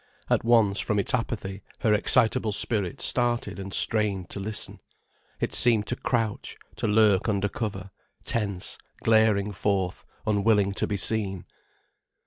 At once, from its apathy, her excitable spirit started and strained to listen. It seemed to crouch, to lurk under cover, tense, glaring forth unwilling to be seen.